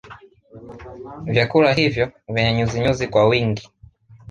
Vyakula hivyo vyenye nyuzinyuzi kwa wingi